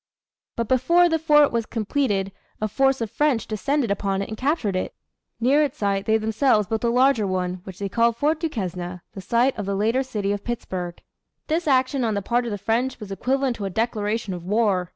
But before the fort was completed a force of French descended upon it and captured it. Near its site they themselves built a larger one, which they called Fort Duquesne the site of the later city of Pittsburgh. This action on the part of the French was equivalent to a declaration of war.